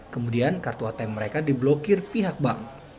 kemudian kartu atm mereka diblokir pihak bank